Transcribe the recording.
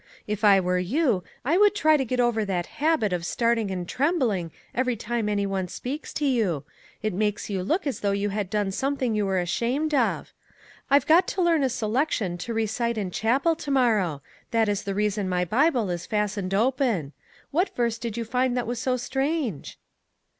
If I were you, I would try to get over that habit of starting and trembling every time any one speaks to you ; it makes you look as though you had done something you were ashamed of. I've got to learn a selection to recite in chapel to morrow; that is the reason my Bible is fastened open. What verse did you find that was so strange